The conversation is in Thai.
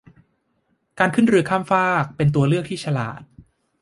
การขึ้นเรือข้ามฟากเป็นตัวเลือกที่ฉลาด